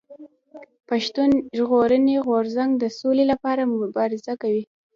پښتون ژغورني غورځنګ د سولي لپاره مبارزه کوي.